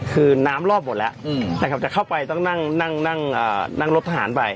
คือน้ำรอบหมดแล้วนะครับจะเข้าไปต้องนั่งนั่งรถทหารไป